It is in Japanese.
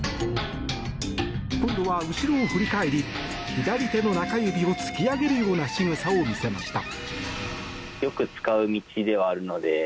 今度は後ろを振り返り左手の中指を突き上げるようなしぐさを見せました。